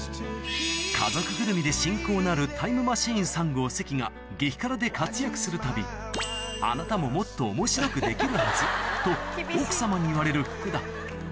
家族ぐるみで親交のあるタイムマシーン３号・関が激辛で活躍するたび「あなたも」と奥様に言われる福田